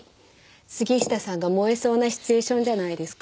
杉下さんが燃えそうなシチュエーションじゃないですか？